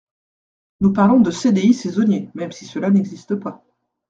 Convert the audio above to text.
Nous parlons de CDI saisonnier, même si cela n’existe pas.